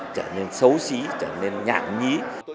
trở nên xấu xí trở nên nhạc nhí